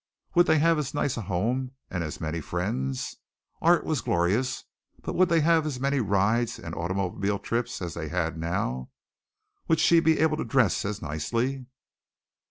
Would they have as nice a home and as many friends? Art was glorious, but would they have as many rides and auto trips as they had now? Would she be able to dress as nicely?